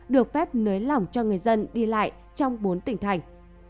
được phép nới lỏng cho người dân đi lại trong bốn tỉnh thành